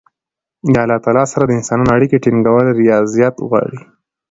د الله تعالی سره د انسانانو اړیکي ټینګول رياضت غواړي.